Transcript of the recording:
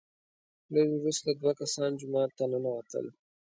لږ وروسته دوه کسان جومات ته ننوتل،